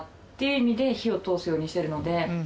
意味で火を通すようにしてるので。